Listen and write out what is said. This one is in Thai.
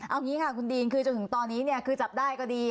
เอาอย่างนี้ค่ะคุณดีนจนถึงตอนนี้จับได้ก็ดี